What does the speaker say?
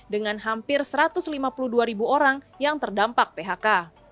dengan hampir satu ratus lima puluh dua ribu orang yang terdampak phk